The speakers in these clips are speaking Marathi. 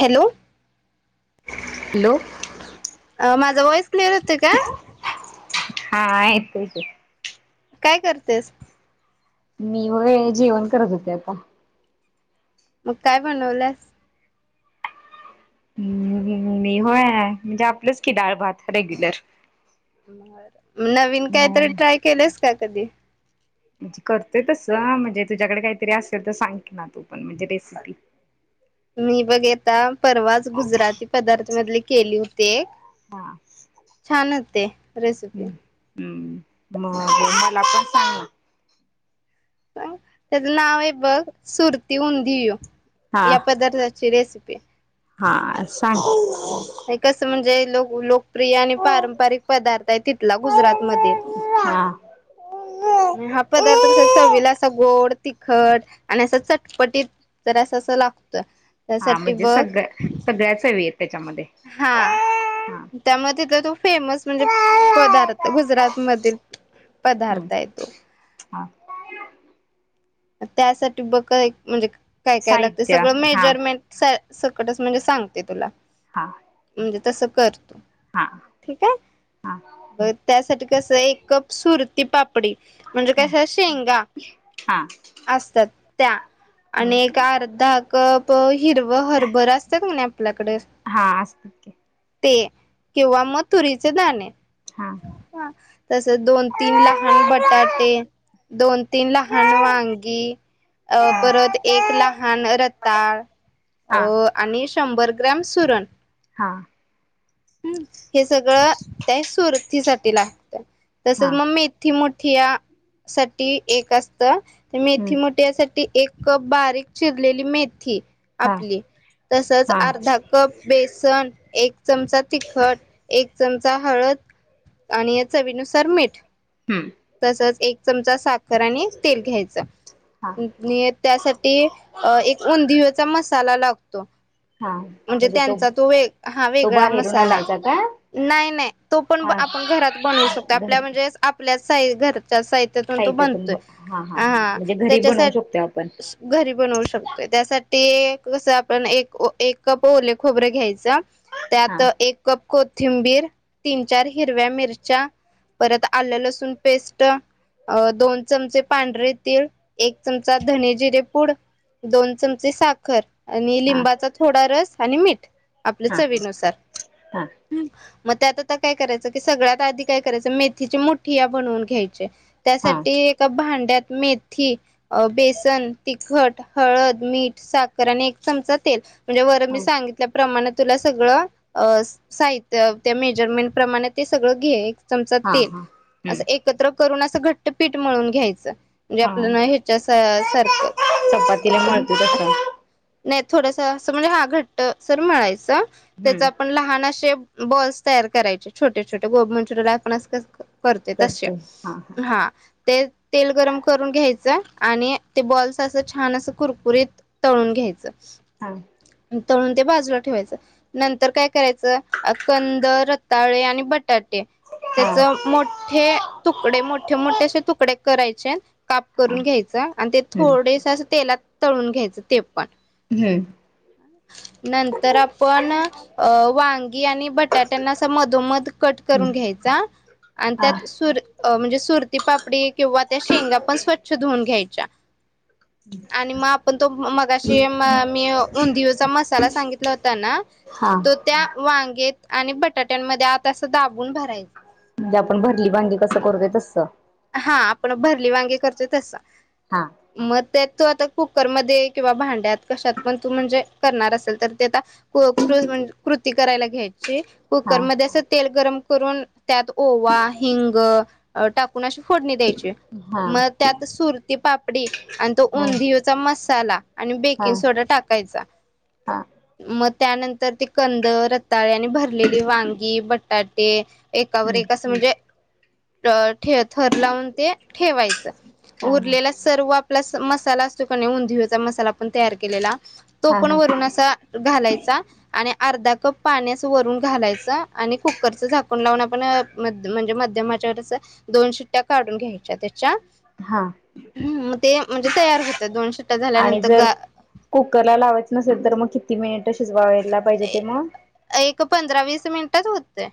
हॅलो. हॅलो. माझा व्हॉईस. क्लिअर येतोय काय? हा हा येतोय की. काय करतेस? मी व्हय जेवण करत होते आता. मग काय बनवल्यास? हम.. मी होय म्हणजे आपलंच की डाळ भात रेग्युलर. नवीन काहीतरी हम्म. ट्राय केलंस. का कदी? म्हणजे करतोय. तसं म्हणजे तुझ्याकड काहीतरी असेल, तर सांग ना तू पण म्हणजे रेसिपी मी बघ येता परवाच गुजराती पदार्थ मधली केली होती. एक छान होती. ते. हं हम. [unintelligible] मला पण सांग ना? त्याच नाव हाय बघ, सुरती उधियू. ना. हा या पदार्थची रेसि ते. हा सांग [inaudible] हे कसं म्हणजे? [unintelligible] प्रिय आणि पारंपरिक पदार्थ आहे, तिथला गुजरात मध्ये हा. आणि हा पदार्थ कसा चवीला असा गोड तिख खट आणि असा चटपटीत जरासा असं लाग हा म्हणजे सगळ सगळ्याच चवी आहेत. त्याच्यामध्ये, हा हा. त्याम [unintelligible] फेमस म्हणजे, पदार्थ गुजरात मधील हम्म पदार्थ हाय तो. हा. त्यासाठी बघ एक म्हणजे काय काय लागतय, साहित्य सगळ हा मेजरमेंट स सकटंच म्हणजे सांगते तुला. [unintelligible] म्हणजे तसं कर. हा ठीक काय हा बग त्यासाठी कस एक कप सुर रिकामा ऑडिओ पडी म्हणजे कस शेंगा. हा [unintelligible] आणि एक अर्धा कप. रिकामा ऑडिओ हिरव हरभर असत का नाही आपल्याकडे. हा असतात की ते किंवा तुरीचे दाणे. हा ह तसच दोन तीन लहान बटाटे दोन तीन लहान वांग की अ परत एक लहान रताळ अ हा आणि शंभर ग्रॅम सुरण. हा. हम्म. हे सगळं त्या सुरथीसाठी लागतं तसंच मगं हम्म मेथी. ठिया साठी एक असतं. मेथी मोठ्या यासाठी एक. कप बारीक चिरलेली मेथी. हा आपली तसंच हा अर्धा कप बेसन, एक चमचा तिखट एक., चमचा हळद आणि चवीनुसार मीठ., हम्म तसंच एक चमचा- आणि तेल घ्यायचं. हा आणि त्यासाठी एक उदीयोचा मसाला. [unintelligible] म्हणजे त्यांचा तो हा तो वेगळा बाहेरून मसाला आणायचा का नाही नाही तो पण हा आपण घरात बनव शकतो आपल्या घर म्हणजे आपल्या. [unintelligible] साहित्यातून तो बनतोय. हा ह हा म्हणजे घरी बनवू त्यांच्यासाठी शकतो आपण घरी बनवू शकतोय त्यासाठी ते कसं आपण एक एक कप ओले खोबरं घ्यायचं. हा त्यात एक कोथिंबीर तीन चार हिरव्या, मिरच्या परत आलं लसूण पेस्ट दोन चमचे. पांढरे तीळ एक चमचा धने, जिरे पूड दोन चमचे साखर आणि हा लिंबाचा थोडा रस आणि मीठ आपल हा हा चवीनुसार मग त्यात आता काय करायचं की सगळ्यांत आधी काय करायचं मेथीची मुठीया बनवून घ्यायचे हा हा त्यासाठी एका भांड त्यात मेथी, बेसन, तिखट, हळद, मीठ साखर आणि एक चमचा तेल म्हणजे वर मी हा सांगितल्या प्रमाण तुला सगळं साहित्य त्या मेजरमेंट प्रमाणे ते सगळं घे चमचा तेल हा हम्म असं एकत्र करून असं घट्टपीठ मिळून घ्यायचं म्हणजे हा आपल्या ना ह्याच्या सार चपातीला सारखं मळतो तसं नाही थोडसा असं म्हणजे हा घट्ट सर मळायचा हम्म त्यांचा पण लहान असे बॉल्स तयार करायचे छोटे छोटे गोबुमंचुरला आपण असं करतय तसे हा ते तेल गरम करून घ्यायचं आणि ते बॉल्स असं छान असं कुरकुरीत तळून घ्यायचं हं तळून ते बाजूला ठेवायचं नंतर काय करायचं कंद, रताळे आणि बट् टाटे हा त्याच मोठे तुकडे मोठे, मोठे असे तुकडे कराय चे काप करून घ्यायचा आणि ते हम्म थोडंस असं तेलात तळून घ्यायचं ते पण हुम्म नंतर आपण अ वांगी आणि बटाट्यांना अस मधोमध कट करून घ्यायचा आणि हा त्यात सुर् म्हणजे अ सुरती पापडी किंवा त्या शेंगा पण स्वचछ धुऊन घ्याय् च्या आणि मग आपण तो मगाशी म मी व् उंदिओचा मसाला सांगितला होता ना हा तो त्या वांगेत आणि बटाट्यांमध्ये आत असं दाबून भरायचं म्हणजे आपण भरली वांगी कसं करतोय तसं हा आपण भरली वांगी कर तोय तसं हा म् त्यात तू आता कुकरमध्ये किंवा भांड्यात कशात पण तू, म्हणजे करणार असेल त्यात ते आता क कृ कृती करायला घ्याय् ची. हा कुकरमध्ये असं तेल गरम करू‌न त्यात ओवा, हिंग अ् - टाकून अशी फोडणी द्यायची हा मग त्यात सुरती पापडी आणि तो हा उंदिओचा मस् साला आणि हा बेकिंग सोडा टाकायचा. हा मग त्यानंतर ते कंद, रताळे आणि भरलेली वांगी, बटाटे एकावर एक असं म्हणजे थर ठेव थर लावून ते ठेवायचं. हा उरलेला सर्व प्लस मसाला असतोय कनी उंदिओचा मसाला आपण तयार केलेला? तो हा पण हा वरून असा घालायचा आणि अर्धा प पाणी असं वरून घालायचं आणि कुकरचं झाकण लावून आपण म्हणजे मध्यम आचेवर दोन शिट्ट्या काढून घ्यायच्या त्या हा म्हणजे तयार होतं दोन शिट्ट्या आणि झाल्यानंतर जर गा कुकर ला लावायचं नसेल तर मग किती मिनिट शिजवावे? एक पंधरा वीस मिनिटात होतय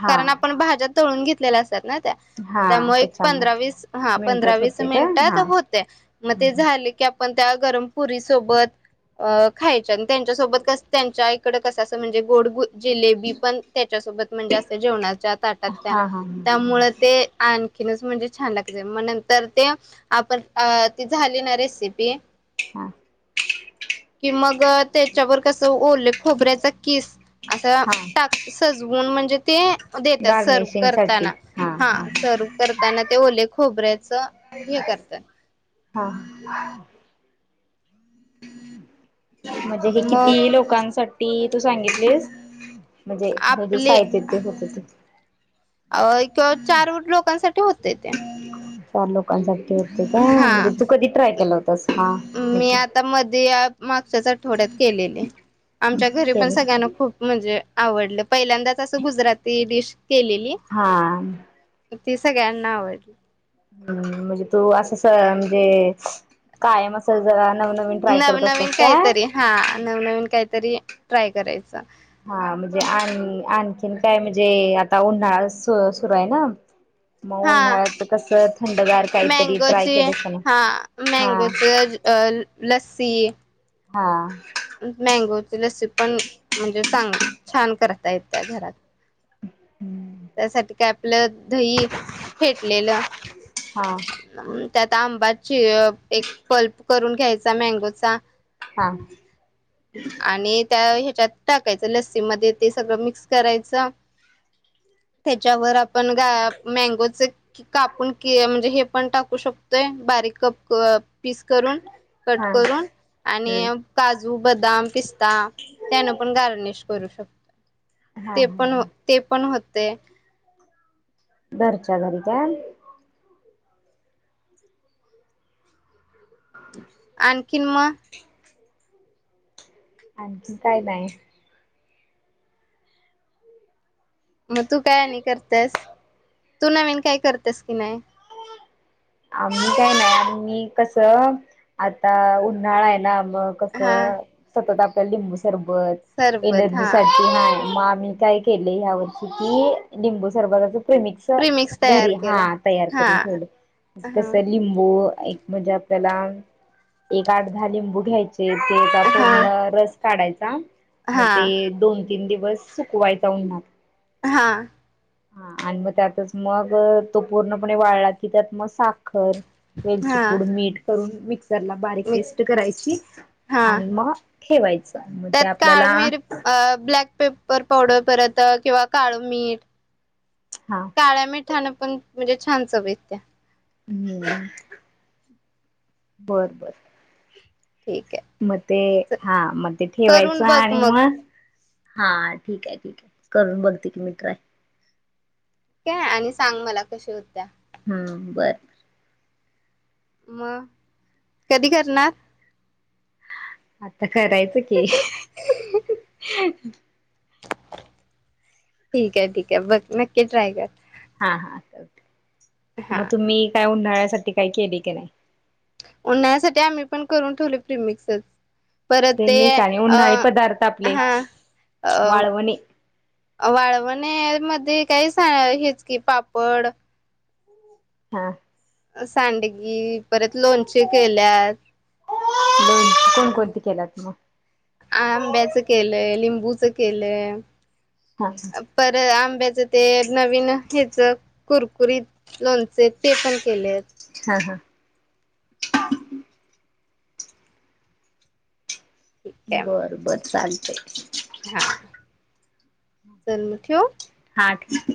हा कारण आपण भाज्या तळून घेत - लेल - ना त्या हा त्यामुळे एक पंधरा त्याच्यामुळे वीस हा पंधरा मिनिटात वीस होते काय मिनिटात हा होतंय मग ते झाले की आपण त्या गरमपुरी सोबत अ खायच्या आणि त्यांच्यासोबत त्यांच्या कड असं म्हणजे गोड जीलेबी पण त्याच्यासोबत म्हणजे अस जेवणाच्या ताटात हा त्या हा हा त्यामुळे ते आण केनस म्हणजे छान लागते मग नंतर ते आपण ती झाली ना रेसिपी हा कि मग त्याच्यावर कसं ओले खोबऱ्याच किस असा हा टाक सजवून म्हणजे ते देतात सर्व करताना हा सर्व करताना ते ओल खोबऱ्यात अस हे करतात. हा म्हणजे हे मग किती लोकांसाठी? ती तू सांगितलीस म्हणजे हे जे आपले साहित्य ते होते ते अ किंवा चार लोकांसाठी होतंय ते. चार लोकांसाठी होतंय काय हा म्हणजे तू कधी ट्राय केल होत. मी आता मध्ये मागच्याच आठवड्यात केलेले. आमच्या घरी पण केले सगळ्यांना खूप म्हणजे आवडलं. पहिल्यांदाच असं गुजराती डिश प हा. ती सगळ्यांना आवडली. हम्म म्हणजे तू असं म्हणजे कायम असं जरा नवनवीन ट्राय करत नवनवीन असतेस काय? तरी ट्राय करायच. हा म्हणजे आणि आणखीन काय म्हणजे आता उन्हाळा सुरू सुरु आहे ना. मग हा उन्हाळ्यात कसं थंडगार काहीतरी ट्राय म्यांगोचे केलेस का नाही? हा हा म्यांगोच. लस्सी. हा [unintelligible] म्यांगोची लस्सी पण, म्हणजे सांग छान करा. त्या त्या घरात, त्यासाठी काय प, आपलं दही फेटलेलं. हा [inaudible] त्यात आंब्याची एक पल्प करून घ्यायचा मँगोचा हा. आणि त्या त्यात टाकायच लस्सी मध्ये ते सगळं मिक्स करायचं. त्याच्यावर आपण गा म्यांगोच कापून म्हणजे हे पण टाकू शकतोय बारीक कप क, पीस करून, कट हा करून, हम्म आणि काजू बदाम, पिस्ता त्यान पण गार्निश करू शकतो. हा हा ते पण व, ते पण होत. ते, घरच्या घरी का? [inaudible] आणखीन म, आणखी काय नाहीय. मग तू काय आणि करतेस? तू नवीन काही करतेस की नाही? आम्ही काय नाय. आम्ही कसं, आता उन्हाळा आहे ना. म हा कसं सतत आ ते लिंबू सरब. बर, सरबत एलर्जी हा साटी नाही म आम्ही काय केले ह्या वर्षी की, लिंबू सरबताचं प्रिमिक्स तयार घरी केला हां तयार हा करून ठेवलंय. म्जे हा कसय लिंबू वय एक म्हणजे आपल्याला, एक आठ धा लिंबू घ्यायची ते ते टाकून हा अं रस् काढायचा. म हा ते दोन तीन दिवस सुकवायचा उन्हात. हां हां, आणि म त्यातच मग तो पूर्णपणे वाळला की त्यात म सा खर, वेलची हा पूड, मीठ करून मिक्स् क्सरला बारीक मिक्स पेस्ट करायची हा आणि म ठेवायचं. मग ते त्यात आपल्याला काळं मिर अ ब्लॅक पेपर पावडर परत किंवा काळं मीठ हा काळ्या मिठानं पण म्हणजे छान चव येत्या. हम्म, बर-बर ठीक आहे म ते, हां म ते ठेवायचं करून बघ आणि मग म हां ठीक आय ठीक आय. करून बघते की मी ट्राय. त्या, आणि सांग मला कशी होत्या. हम्म बर म, कधी करणार? आता करायचं की. ठीक आय ठीक आय बघ नक्की ट्राय कर. हां-हां [unintelligible] म हा तुम्ही काय उन न्हाळ्यासाठी काय केली का नाई? उन्हाळ्यासाठी आम्ही पण करून ठेवलोय प्रिमिक्सच. परत ते, मिक्स आणि उन्हाळी अं पदार्थ आपले हा अ वाळवणे वाळवणे मध्ये काही सां, हेच की पापड. हाअ्ं. सँडगी लोनचे कोण कोणती केल्यात मग? आंब्याचं केलंय लिंबूचं केलंय. हा परत आंब हेच ते नवीन हेचं कुरकुरीत लोणचे ते पण केलेत. हां हां. ठीक आहे मग बर बरं चाल. थक [inaudible] हा चल ठेऊ. हां ठेव.